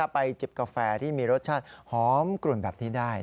จิบกาแฟที่มีรสชาติหอมกลุ่นแบบนี้ได้